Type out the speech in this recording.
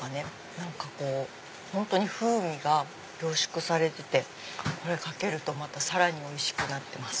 何かこう本当に風味が凝縮されててこれかけるとまたさらにおいしくなってます。